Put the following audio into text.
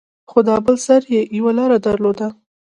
خو دا بل سر يې يوه لاره درلوده.